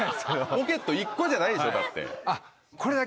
ポケット１個じゃないでしょだって。